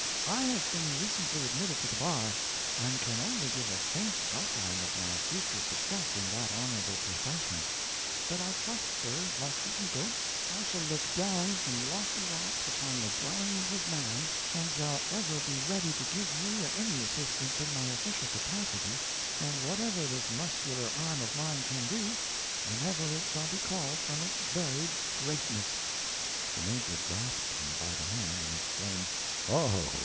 I have been recently admitted to the bar, and can only give a faint outline of my future success in that honorable profession; but I trust, sir, like the Eagle, I shall look down from the lofty rocks upon the dwellings of man, and shall ever be ready to give you any assistance in my official capacity, and whatever this muscular arm of mine can do, whenever it shall be called from its buried greatness." The Major grasped him by the hand, and exclaimed: "O!